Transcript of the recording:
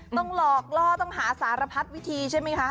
ต้องหลอกล่อต้องหาสารพัดวิธีใช่ไหมคะ